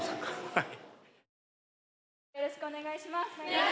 はい！